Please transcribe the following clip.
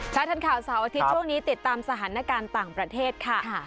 ทันข่าวเสาร์อาทิตย์ช่วงนี้ติดตามสถานการณ์ต่างประเทศค่ะ